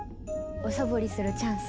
おさぼりするチャンス。